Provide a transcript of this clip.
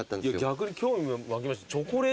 逆に興味が湧きました。